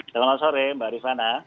selamat sore mbak rizwana